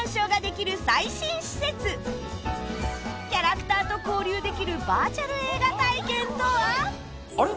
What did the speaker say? キャラクターと交流できるバーチャル映画体験とは？